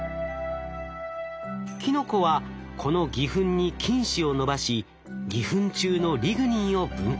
キノコはこの偽ふんに菌糸を伸ばし偽ふん中のリグニンを分解。